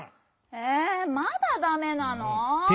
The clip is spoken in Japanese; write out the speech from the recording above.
えまだダメなの？